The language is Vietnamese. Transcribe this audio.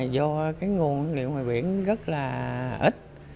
do cái nguồn liệu ngoài biển rất là ít